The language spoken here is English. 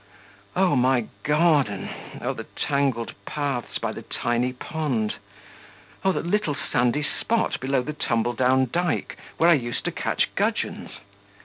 Oh, my garden, oh, the tangled paths by the tiny pond! Oh, the little sandy spot below the tumbledown dike, where I used to catch gudgeons!